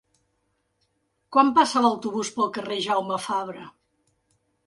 Quan passa l'autobús pel carrer Jaume Fabra?